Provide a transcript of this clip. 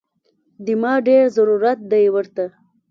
دې ما ډېر ضرورت دی ورته